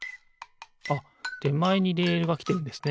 あってまえにレールがきてるんですね。